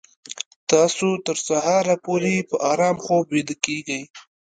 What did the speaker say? تاسو تر سهاره پورې په ارام خوب ویده کیږئ